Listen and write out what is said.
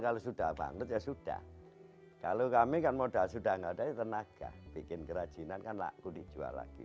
kalau sudah bangkrut ya sudah kalau kami kan modal sudah nggak ada tenaga bikin kerajinan kan laku dijual lagi